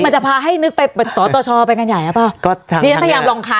มันจะพาให้นึกไปตรวจสตชไปกันใหญ่หรอเปล่า